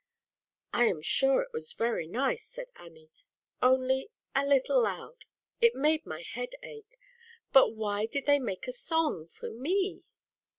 "I am sure it was very nice," said Annie, "only a little loud it made my head ache. But why did they make a song for me?